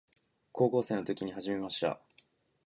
高校生の時に始めました。